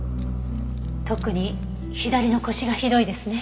特に左の腰がひどいですね。